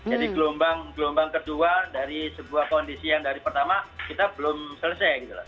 jadi gelombang kedua dari sebuah kondisi yang dari pertama kita belum selesai